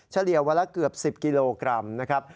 เฉลี่ยวันละเกือบ๑๐กิโลกรัมนะครับ